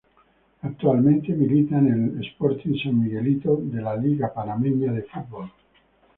Actualmente milita en el Sporting San Miguelito de la Liga Panameña de Fútbol.